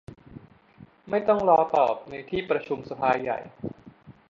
ไม่ต้องรอตอบในที่ประชุมสภาใหญ่